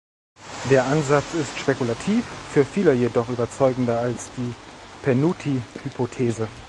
Der Ansatz ist spekulativ, für viele jedoch überzeugender als die Penuti-Hypothese.